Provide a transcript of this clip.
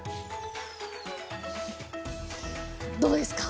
どうですか？